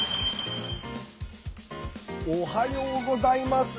おはようございます。